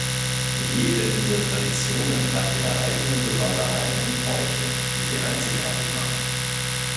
Jede dieser Traditionen hat ihre eigenen Besonderheiten und Bräuche, die sie einzigartig machen.